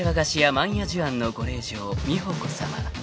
万屋寿庵のご令嬢美保子さま］